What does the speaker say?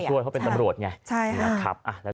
มาช่วยเพราะเป็นตำรวจไงใช่ค่ะ